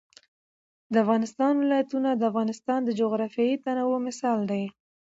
د افغانستان ولايتونه د افغانستان د جغرافیوي تنوع مثال دی.